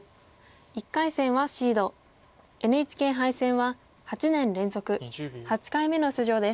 １回戦はシードＮＨＫ杯戦は８年連続８回目の出場です。